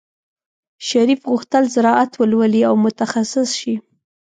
شریف غوښتل زراعت ولولي او متخصص شي.